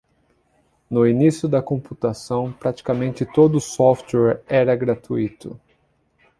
No início da computação, praticamente todo o software era gratuito.